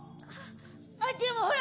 あっでもほら！